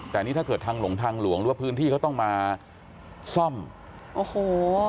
แต่นี่ถ้าเกิดทางหลงทางหลวงหรือว่าพื้นที่เขาต้องมาซ่อมโอ้โห